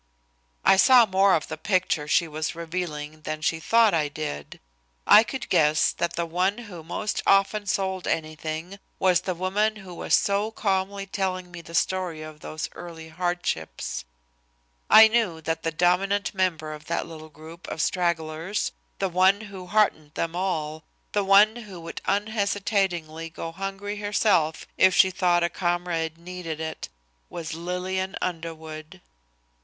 I saw more of the picture she was revealing than she thought I did. I could guess that the one who most often sold anything was the woman who was so calmly telling me the story of those early hardships. I knew that the dominant member of that little group of stragglers, the one who heartened them all, the one who would unhesitatingly go hungry herself if she thought a comrade needed it, was Lillian Underwood.